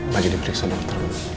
pagi di prikson aku terlalu